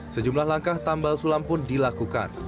sejumlah langkah tambal sulam pun dilakukan